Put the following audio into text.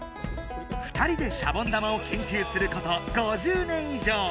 ２人でシャボン玉をけんきゅうすること５０年以上！